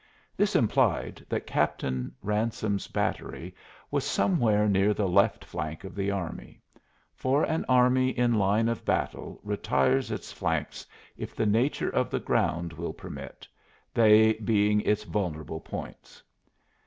This implied that Captain Ransome's battery was somewhere near the left flank of the army; for an army in line of battle retires its flanks if the nature of the ground will permit, they being its vulnerable points.